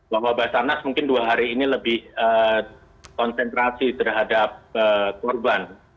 bahwa basarnas mungkin dua hari ini lebih konsentrasi terhadap korban